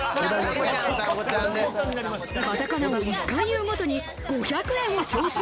カタカナを１回言うごとに５００円を徴収。